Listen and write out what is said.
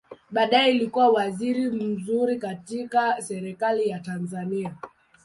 Baadaye alikua waziri mzuri katika Serikali ya Tanzania.